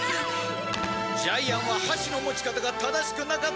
ジャイアンは箸の持ち方が正しくなかったから負けた！